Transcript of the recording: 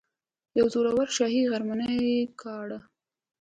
یوه زوروره شاهي غرمنۍ راکړه.